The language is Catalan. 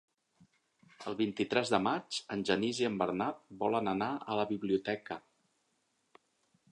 El vint-i-tres de maig en Genís i en Bernat volen anar a la biblioteca.